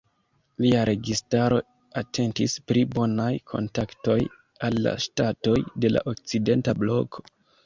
Lia registaro atentis pri bonaj kontaktoj al la ŝtatoj de la okcidenta bloko.